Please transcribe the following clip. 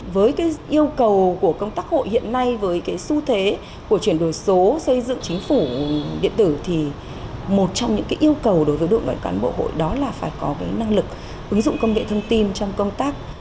với cái yêu cầu của công tác hội hiện nay với cái xu thế của chuyển đổi số xây dựng chính phủ điện tử thì một trong những yêu cầu đối với đội ngũ cán bộ hội đó là phải có năng lực ứng dụng công nghệ thông tin trong công tác